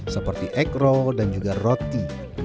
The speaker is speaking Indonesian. seperti egg roll dan juga roti